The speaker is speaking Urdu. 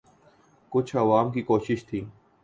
کچھ عوام کی کوشش تھی۔